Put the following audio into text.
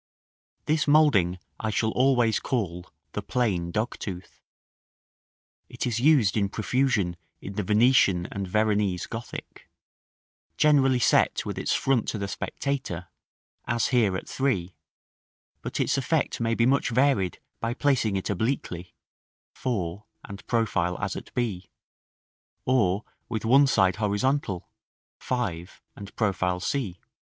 This moulding I shall always call "the plain dogtooth;" it is used in profusion in the Venetian and Veronese Gothic, generally set with its front to the spectator, as here at 3; but its effect may be much varied by placing it obliquely (4, and profile as at b); or with one side horizontal (5, and profile c).